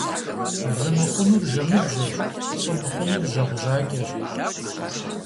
Вы мыхъунур жэмыбжьэщ, лӀы мыхъунур жьэгъу жьакӀэщ.